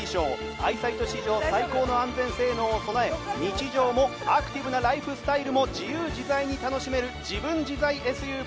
アイサイト史上最高の安全性能を備え日常もアクティブなライフスタイルも自由自在に楽しめるジブン自在ＳＵＶ